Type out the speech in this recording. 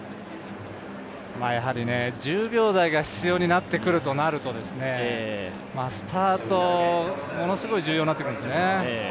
やはり１０秒台が必要になってくるとなるとスタート、ものすごい重要になってくるんですね。